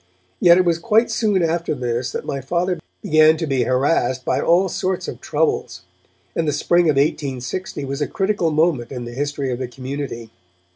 Yet it was quite soon after this that my Father began to be harassed by all sorts of troubles, and the spring of 1860 was a critical moment in the history of the community.